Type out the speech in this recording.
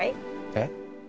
えっ？